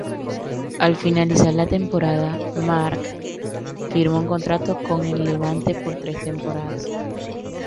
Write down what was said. Al finalizar la temporada, Marc firma un contrato con el Levante por tres temporadas.